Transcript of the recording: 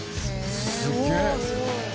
すげえ！